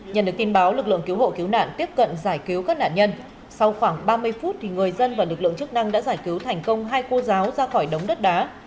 nhận được tin báo lực lượng cứu hộ cứu nạn tiếp cận giải cứu các nạn nhân sau khoảng ba mươi phút người dân và lực lượng chức năng đã giải cứu thành công hai cô giáo ra khỏi đống đất đá